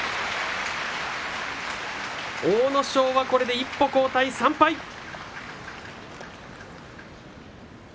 阿武咲は、これで一歩後退３敗です。